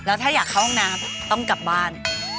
แล้วถ้าอยากเข้าห้องน้ำต้องกลับบ้าน